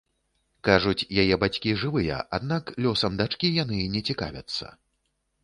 Кажуць, яе бацькі жывыя, аднак лёсам дачкі яны не цікавяцца.